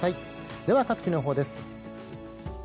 では各地の予報です。